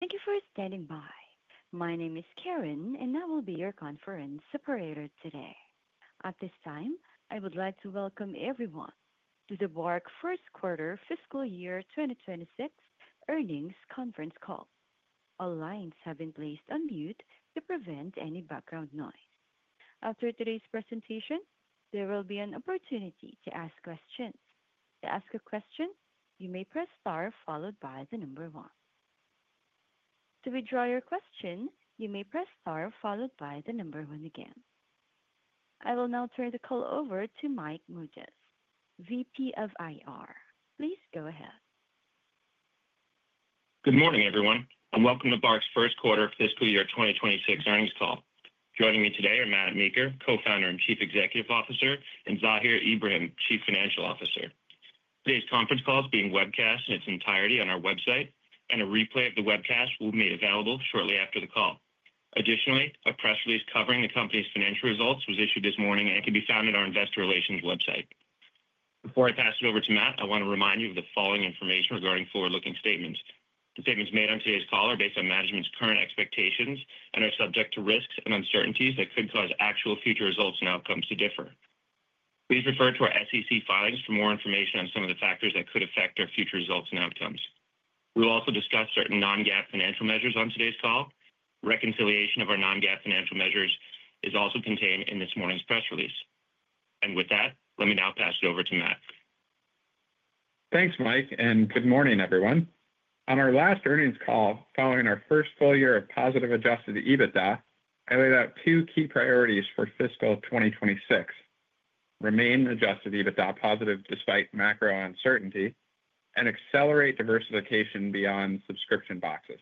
Thank you for standing by. My name is Karen, and I will be your conference operator today. At this time, I would like to welcome everyone to the BARK First Quarter Fiscal Year 2026 Earnings Conference Call. All lines have been placed on mute to prevent any background noise. After today's presentation, there will be an opportunity to ask questions. To ask a question, you may press Star followed by the number one. To withdraw your question, you may press Star followed by the number one again. I will now turn the call over to Mike Mougias, VP of IR. Please go ahead. Good morning, everyone, and welcome to BARK's First Quarter Fiscal Year 2026 Earnings Call. Joining me today are Matt Meeker, Co-Founder and Chief Executive Officer, and Zahir Ibrahim, Chief Financial Officer. Today's conference call is being webcast in its entirety on our website, and a replay of the webcast will be made available shortly after the call. Additionally, a press release covering the company's financial results was issued this morning and can be found on our Investor Relations website. Before I pass it over to Matt, I want to remind you of the following information regarding forward-looking statements. The statements made on today's call are based on management's current expectations and are subject to risks and uncertainties that could cause actual future results and outcomes to differ. Please refer to our SEC filings for more information on some of the factors that could affect our future results and outcomes. We will also discuss certain non-GAAP financial measures on today's call. Reconciliation of our non-GAAP financial measures is also contained in this morning's press release. With that, let me now pass it over to Matt. Thanks, Mike, and good morning, everyone. On our last earnings call, following our first full year of positive adjusted EBITDA, I laid out two key priorities for fiscal 2026: remain adjusted EBITDA positive despite macro uncertainty and accelerate diversification beyond subscription boxes.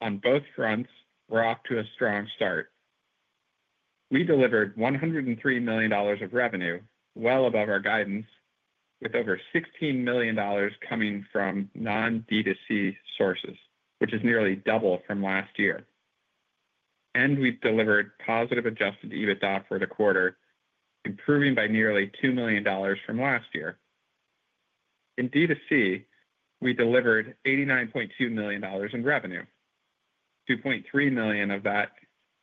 On both fronts, we're off to a strong start. We delivered $103 million of revenue, well above our guidance, with over $16 million coming from non-D2C sources, which is nearly double from last year. We delivered positive adjusted EBITDA for the quarter, improving by nearly $2 million from last year. In D2C, we delivered $89.2 million in revenue. $2.3 million of that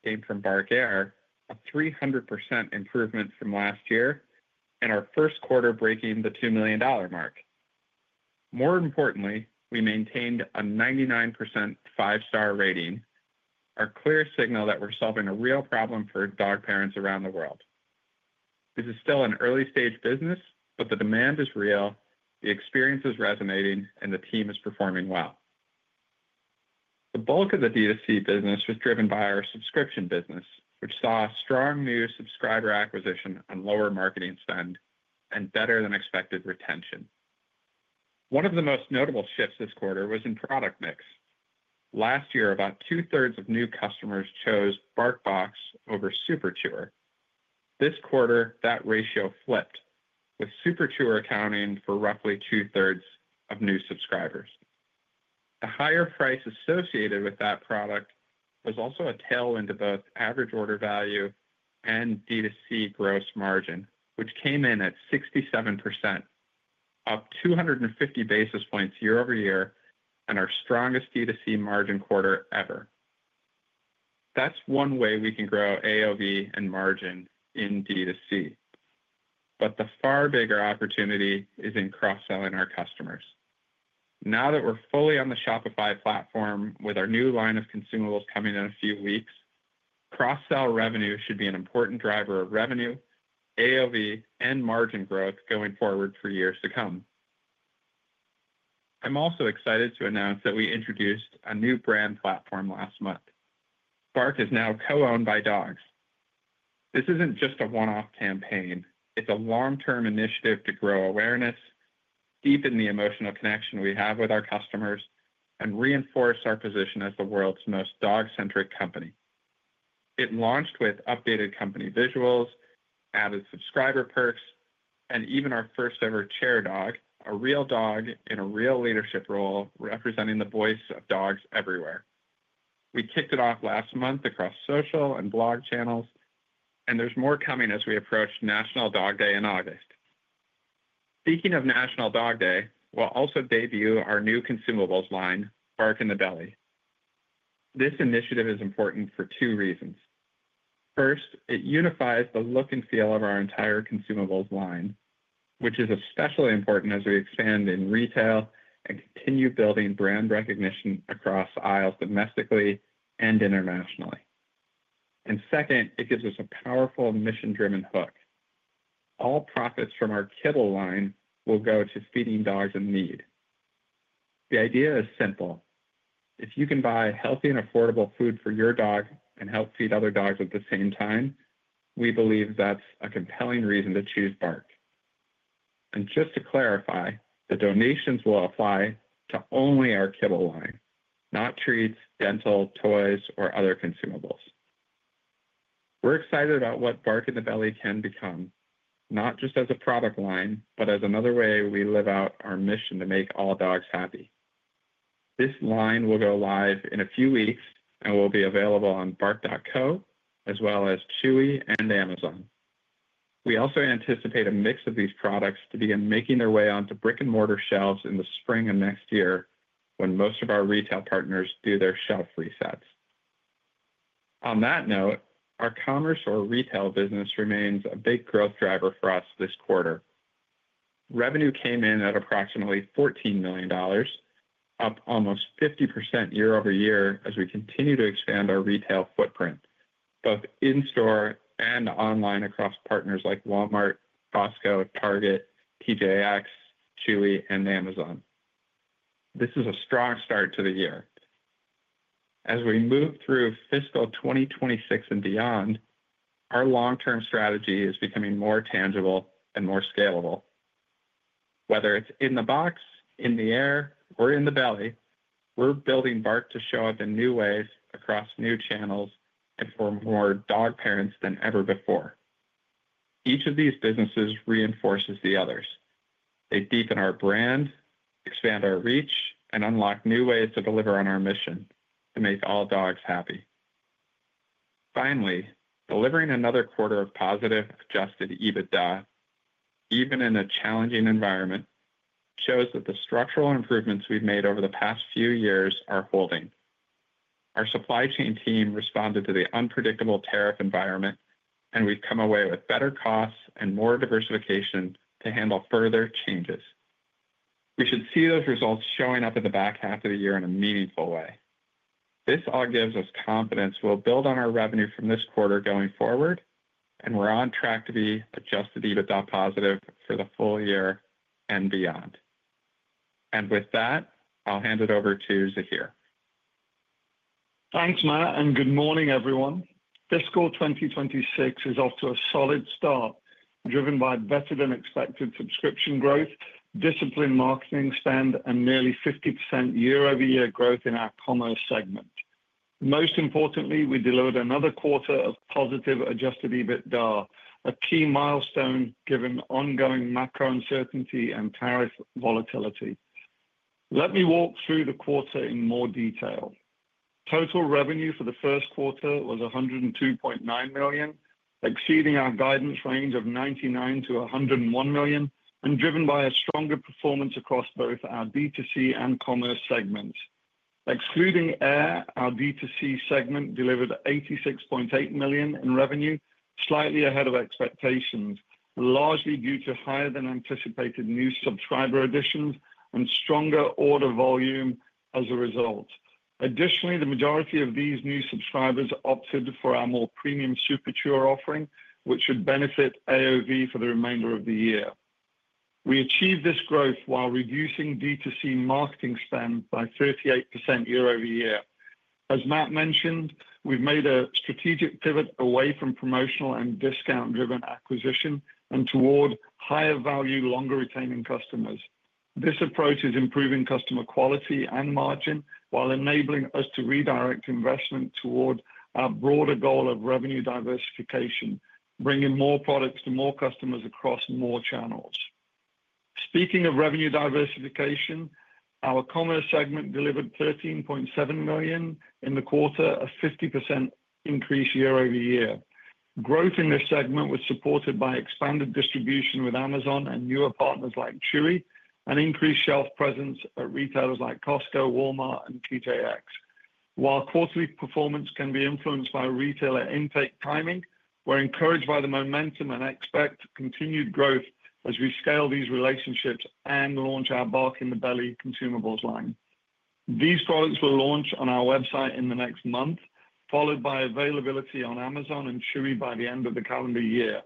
came from BARK Air, a 300% improvement from last year, and our first quarter breaking the $2 million mark. More importantly, we maintained a 99% five-star rating, a clear signal that we're solving a real problem for dog parents around the world. This is still an early-stage business, but the demand is real, the experience is resonating, and the team is performing well. The bulk of the D2C business was driven by our subscription business, which saw strong new subscriber acquisition and lower marketing spend and better-than-expected retention. One of the most notable shifts this quarter was in product mix. Last year, about 2/3 of new customers chose BarkBox over Super Chewer. This quarter, that ratio flipped, with Super Chewer accounting for roughly two-thirds of new subscribers. The higher price associated with that product was also a tailwind to both average order value and D2C gross margin, which came in at 67%, up 250 basis points year-over-year, and our strongest D2C margin quarter ever. That's one way we can grow AOV and margin in D2C. The far bigger opportunity is in cross-selling our customers. Now that we're fully on the Shopify platform with our new line of consumables coming in a few weeks, cross-sell revenue should be an important driver of revenue, AOV, and margin growth going forward for years to come. I'm also excited to announce that we introduced a new brand platform last month. BARK is now co-owned by dogs. This isn't just a one-off campaign. It's a long-term initiative to grow awareness, deepen the emotional connection we have with our customers, and reinforce our position as the world's most dog-centric company. It launched with updated company visuals, added subscriber perks, and even our first-ever chair dog, a real dog in a real leadership role, representing the voice of dogs everywhere. We kicked it off last month across social and blog channels, and there is more coming as we approach National Dog Day in August. Speaking of National Dog Day, we will also debut our new consumables line, Bark in the Belly. This initiative is important for two reasons. First, it unifies the look and feel of our entire consumables line, which is especially important as we expand in retail and continue building brand recognition across aisles domestically and internationally. Second, it gives us a powerful mission-driven hook. All profits from our kibble line will go to feeding dogs in need. The idea is simple. If you can buy healthy and affordable food for your dog and help feed other dogs at the same time, we believe that is a compelling reason to choose BARK. Just to clarify, the donations will apply to only our kibble line, not treats, dental toys, or other consumables. We are excited about what Bark in the Belly can become, not just as a product line, but as another way we live out our mission to make all dogs happy. This line will go live in a few weeks and will be available on Bark.co, as well as Chewy and Amazon. We also anticipate a mix of these products to begin making their way onto brick-and-mortar shelves in the spring of next year when most of our retail partners do their shelf resets. On that note, our commerce or retail business remains a big growth driver for us this quarter. Revenue came in at approximately $14 million, up almost 50% year-over-year as we continue to expand our retail footprint, both in-store and online across partners like Walmart, Costco, Target, TJX, Chewy, and Amazon. This is a strong start to the year. As we move through fiscal 2026 and beyond, our long-term strategy is becoming more tangible and more scalable. Whether it is in the box, in the air, or in the belly, we are building BARK to show up in new ways across new channels and for more dog parents than ever before. Each of these businesses reinforces the others. They deepen our brand, expand our reach, and unlock new ways to deliver on our mission to make all dogs happy. Finally, delivering another quarter of positive adjusted EBITDA, even in a challenging environment, shows that the structural improvements we have made over the past few years are holding. Our supply chain team responded to the unpredictable tariff environment, and we've come away with better costs and more diversification to handle further changes. We should see those results showing up in the back half of the year in a meaningful way. This all gives us confidence we'll build on our revenue from this quarter going forward. We're on track to be adjusted EBITDA positive for the full year and beyond. With that, I'll hand it over to Zahir. Thanks, Matt, and good morning, everyone. Fiscal 2026 is off to a solid start, driven by better-than-expected subscription growth, disciplined marketing spend, and nearly 50% year-over-year growth in our commerce segment. Most importantly, we delivered another quarter of positive adjusted EBITDA, a key milestone given ongoing macro uncertainty and tariff volatility. Let me walk through the quarter in more detail. Total revenue for the first quarter was $102.9 million, exceeding our guidance range of $99 million-$101 million, and driven by a stronger performance across both our D2C and commerce segments. Excluding BARK Air, our D2C segment delivered $86.8 million in revenue, slightly ahead of expectations, largely due to higher-than-anticipated new subscriber additions and stronger order volume as a result. Additionally, the majority of these new subscribers opted for our more premium Super Chewer offering, which should benefit AOV for the remainder of the year. We achieved this growth while reducing D2C marketing spend by 38% year-over-year. As Matt mentioned, we've made a strategic pivot away from promotional and discount-driven acquisition and toward higher-value, longer-retaining customers. This approach is improving customer quality and margin while enabling us to redirect investment toward our broader goal of revenue diversification, bringing more products to more customers across more channels. Speaking of revenue diversification, our commerce segment delivered $13.7 million in the quarter, a 50% increase year-over-year. Growth in this segment was supported by expanded distribution with Amazon and newer partners like Chewy, and increased shelf presence at retailers like Costco, Walmart, and TJX. While quarterly performance can be influenced by retailer intake timing, we're encouraged by the momentum and expect continued growth as we scale these relationships and launch our Bark in the Belly consumables line. These products will launch on our website in the next month, followed by availability on Amazon and Chewy by the end of the calendar year.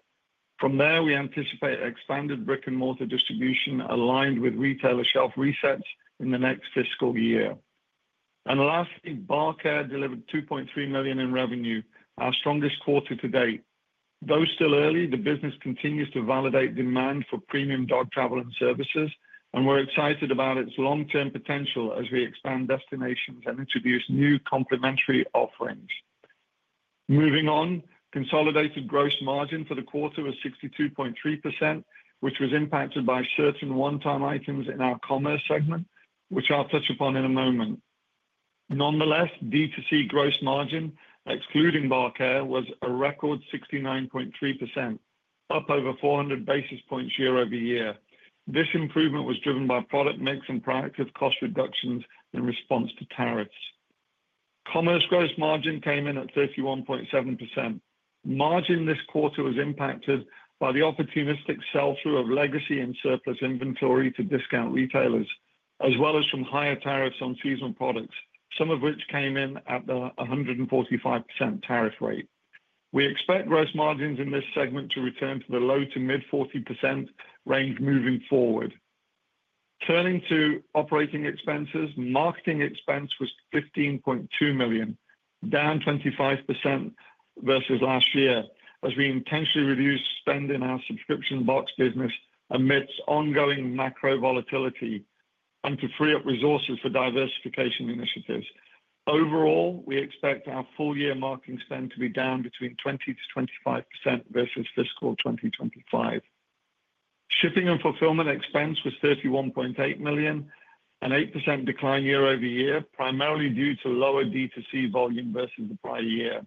From there, we anticipate expanded brick-and-mortar distribution aligned with retailer shelf resets in the next fiscal year. Lastly, BARK Air delivered $2.3 million in revenue, our strongest quarter to date. Though still early, the business continues to validate demand for premium dog travel and services, and we're excited about its long-term potential as we expand destinations and introduce new complementary offerings. Moving on, consolidated gross margin for the quarter was 62.3%, which was impacted by certain one-time items in our commerce segment, which I'll touch upon in a moment. Nonetheless, D2C gross margin, excluding BARK Air, was a record 69.3%, up over 400 basis points year-over-year. This improvement was driven by product mix and proactive cost reductions in response to tariffs. Commerce gross margin came in at 31.7%. Margin this quarter was impacted by the opportunistic sell-through of legacy and surplus inventory to discount retailers, as well as from higher tariffs on seasonal products, some of which came in at the 145% tariff rate. We expect gross margins in this segment to return to the low to mid-40% range moving forward. Turning to operating expenses, marketing expense was $15.2 million, down 25% versus last year, as we intentionally reduced spend in our subscription box business amidst ongoing macroeconomic headwinds and to free up resources for diversification initiatives. Overall, we expect our full-year marketing spend to be down between 20%-25% versus fiscal 2025. Shipping and fulfillment expense was $31.8 million, an 8% decline year-over-year, primarily due to lower D2C volume versus the prior year.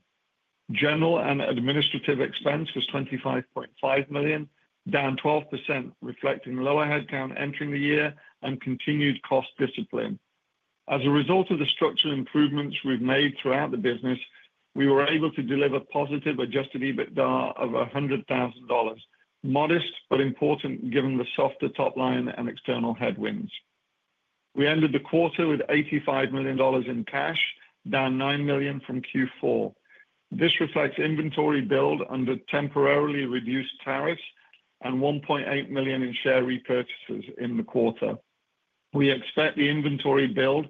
General and administrative expense was $25.5 million, down 12%, reflecting lower headcount entering the year and continued cost discipline. As a result of the structural improvements we've made throughout the business, we were able to deliver positive adjusted EBITDA of $100,000, modest but important given the softer top line and external headwinds. We ended the quarter with $85 million in cash, down $9 million from Q4. This reflects inventory build under temporarily reduced tariffs and $1.8 million in share repurchases in the quarter. We expect the inventory build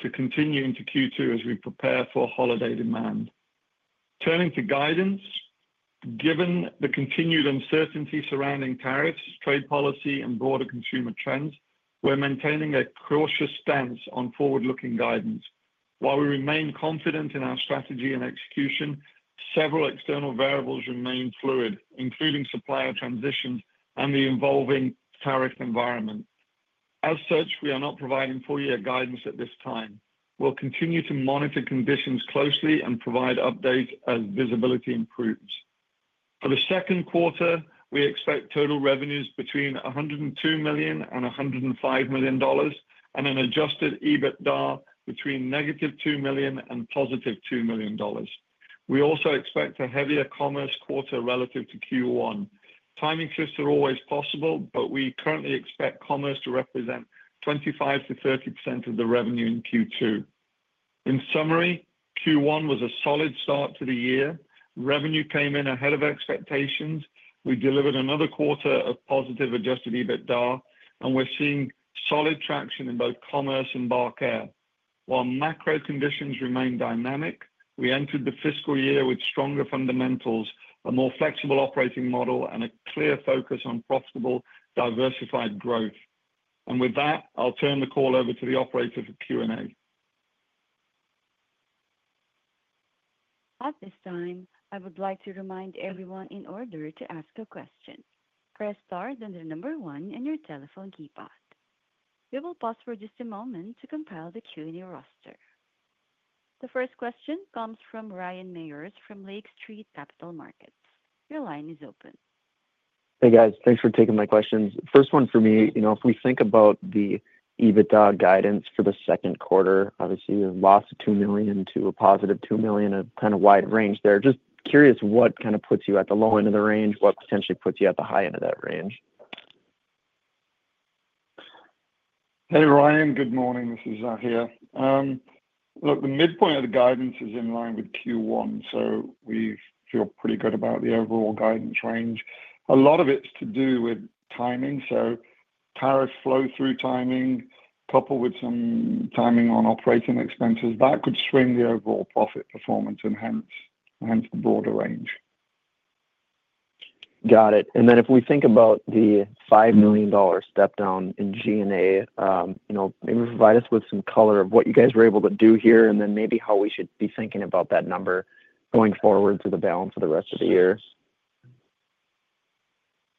to continue into Q2 as we prepare for holiday demand. Turning to guidance, given the continued uncertainty surrounding tariffs, trade policy, and broader consumer trends, we're maintaining a cautious stance on forward-looking guidance. While we remain confident in our strategy and execution, several external variables remain fluid, including supplier transitions and the evolving tariff environment. As such, we are not providing full-year guidance at this time. We'll continue to monitor conditions closely and provide updates as visibility improves. For the second quarter, we expect total revenues between $102 million and $105 million, and an adjusted EBITDA between -$2 million and +$2 million. We also expect a heavier commerce quarter relative to Q1. Timing shifts are always possible, but we currently expect commerce to represent 25%-30% of the revenue in Q2. In summary, Q1 was a solid start to the year. Revenue came in ahead of expectations. We delivered another quarter of positive adjusted EBITDA, and we're seeing solid traction in both commerce and BARK Air. While macro conditions remain dynamic, we entered the fiscal year with stronger fundamentals, a more flexible operating model, and a clear focus on profitable, diversified growth. I'll turn the call over to the operator for Q&A. At this time, I would like to remind everyone in order to ask a question, press Star then the number one on your telephone keyboard. We will pause for just a moment to compile the Q&A roster. The first question comes from Ryan Meyers from Lake Street Capital Markets. Your line is open. Hey, guys, thanks for taking my questions. First one for me, you know, if we think about the EBITDA guidance for the second quarter, obviously we have lost $2 million-+$2 million, a kind of wide range there. Just curious what kind of puts you at the low end of the range, what potentially puts you at the high end of that range. Hey, Ryan, good morning. This is Zahir. Look, the midpoint of the guidance is in line with Q1, so we feel pretty good about the overall guidance range. A lot of it's to do with timing, so tariff flow-through timing, coupled with some timing on operating expenses, that could swing the overall profit performance and hence the broader range. Got it. If we think about the $5 million step down in G&A, maybe provide us with some color of what you guys were able to do here, and then how we should be thinking about that number going forward to the balance of the rest of the years.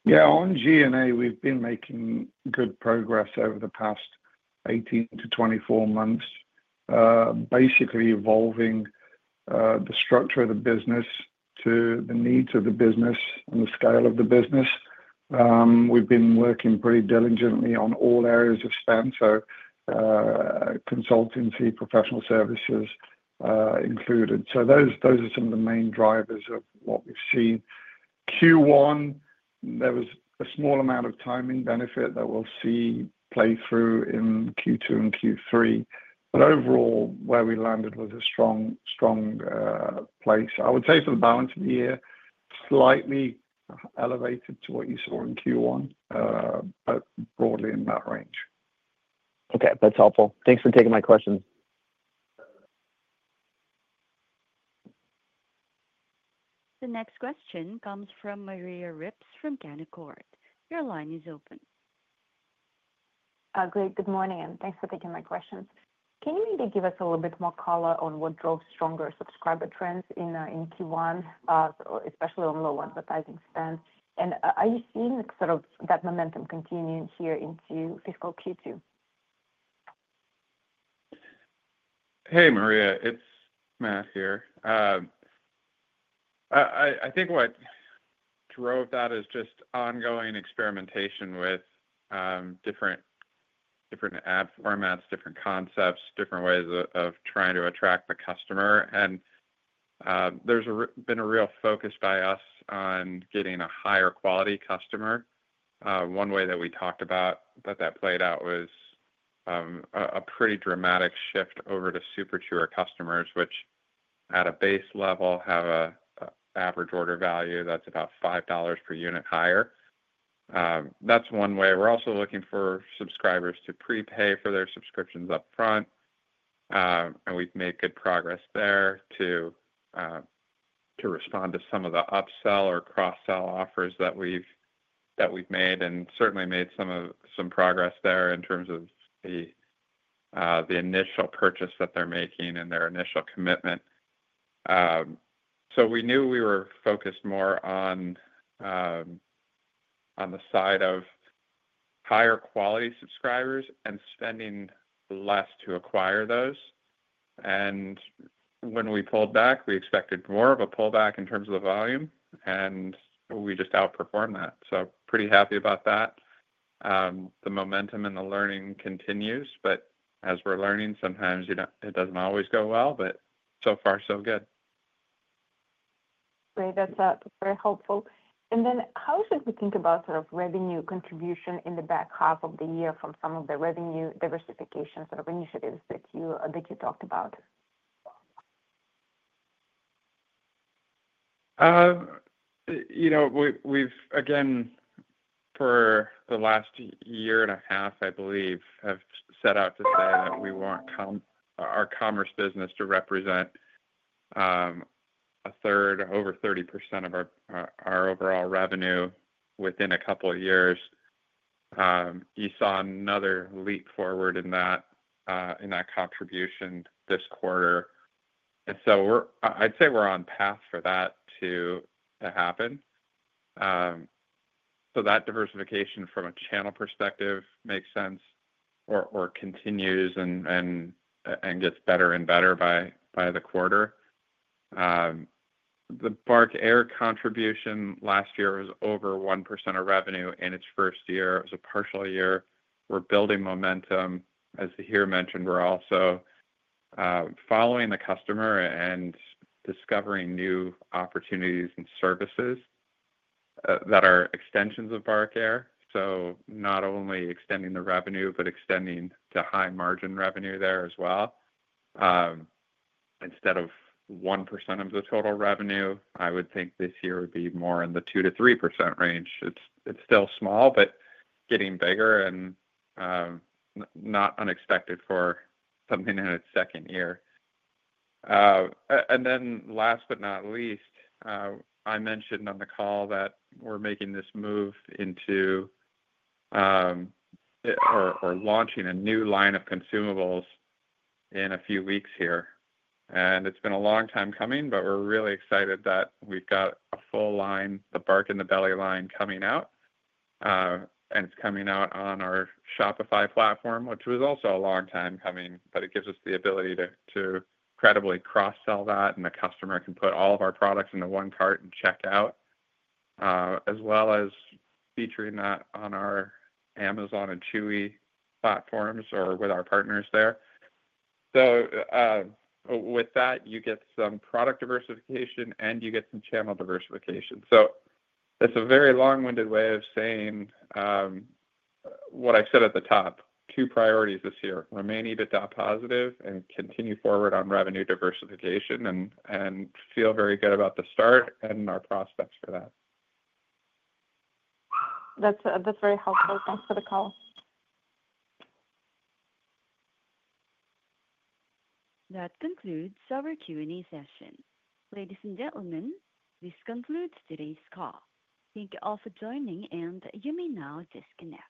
Yeah, on G&A, we've been making good progress over the past 18-24 months, basically evolving the structure of the business to the needs of the business and the scale of the business. We've been working pretty diligently on all areas of spend, consultancy and professional services included. Those are some of the main drivers of what we've seen. In Q1, there was a small amount of timing benefit that we'll see play through in Q2 and Q3. Overall, where we landed was a strong, strong place. I would say for the balance of the year, slightly elevated to what you saw in Q1, but broadly in that range. Okay, that's helpful. Thanks for taking my question. The next question comes from Maria Ripps from Canaccord. Your line is open. Great, good morning, and thanks for taking my questions. Can you maybe give us a little bit more color on what drove stronger subscriber trends in Q1, especially on low advertising spend? Are you seeing sort of that momentum continuing here into fiscal Q2? Hey, Maria, it's Matt here. I think what drove that is just ongoing experimentation with different ad formats, different concepts, different ways of trying to attract the customer. There's been a real focus by us on getting a higher quality customer. One way that we talked about that played out was a pretty dramatic shift over to Super Chewer customers, which at a base level have an average order value that's about $5 per unit higher. That's one way. We're also looking for subscribers to prepay for their subscriptions up front. We've made good progress there to respond to some of the upsell or cross-sell offers that we've made and certainly made some progress there in terms of the initial purchase that they're making and their initial commitment. We knew we were focused more on the side of higher quality subscribers and spending less to acquire those. When we pulled back, we expected more of a pullback in terms of the volume, and we just outperformed that. Pretty happy about that. The momentum and the learning continues, but as we're learning, sometimes it doesn't always go well, but so far, so good. Great, that's very helpful. How should we think about sort of revenue contribution in the back half of the year from some of the revenue diversification sort of initiatives that you talked about? We've, again, for the last year and a half, I believe, set out to say that we want our commerce business to represent 1/3, over 30% of our overall revenue within a couple of years. You saw another leap forward in that contribution this quarter. I'd say we're on path for that to happen. That diversification from a channel perspective makes sense, continues, and gets better and better by the quarter. The BARK Air contribution last year was over 1% of revenue in its first year. It was a partial year. We're building momentum. As you heard mentioned, we're also following the customer and discovering new opportunities and services that are extensions of BARK Air. Not only are we extending the revenue, but we're extending to high margin revenue there as well. Instead of 1% of the total revenue, I would think this year would be more in the 2%-3% range. It's still small, but getting bigger and not unexpected for something in its second year. Last but not least, I mentioned on the call that we're making this move into or launching a new line of consumables in a few weeks here. It's been a long time coming, but we're really excited that we've got a full line, the Bark in the Belly line coming out. It's coming out on our Shopify platform, which was also a long time coming, but it gives us the ability to credibly cross-sell that, and the customer can put all of our products into one cart and check out, as well as featuring that on our Amazon and Chewy platforms or with our partners there. With that, you get some product diversification and you get some channel diversification. That's a very long-winded way of saying what I said at the top, two priorities this year. Remain EBITDA positive and continue forward on revenue diversification and feel very good about the start and our prospects for that. That's very helpful. Thanks for the call. That concludes our Q&A session. Ladies and gentlemen, this concludes today's call. Thank you all for joining, and you may now disconnect.